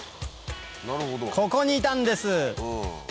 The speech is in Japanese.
ここにいたんです